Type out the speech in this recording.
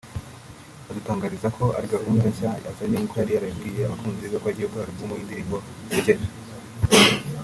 adutangariza ko ari gahunda nshya azanye nkuko yari yarabibwiye abakunzi be ko agiye gukora album y’indirimbo zisekeje